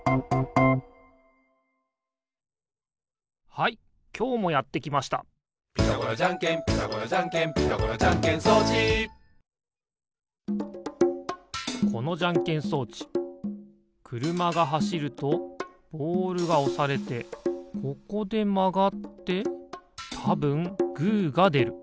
はいきょうもやってきました「ピタゴラじゃんけんピタゴラじゃんけん」「ピタゴラじゃんけん装置」このじゃんけん装置くるまがはしるとボールがおされてここでまがってたぶんグーがでる。